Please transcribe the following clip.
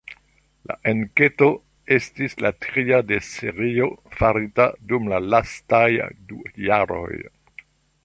La enketo estis la tria de serio farita dum la lastaj du jaroj.